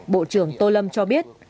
bộ trưởng tô lâm cho biết